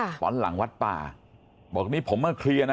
พี่ป้อนหลังวัดป่าบอกว่านี้ผมมาเคลียร์นะ